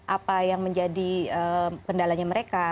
apa yang menjadi kendalanya mereka